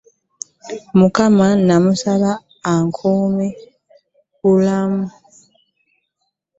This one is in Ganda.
Mukama namusaba kimu bulamu.